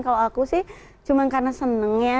kalau aku sih cuma karena seneng ya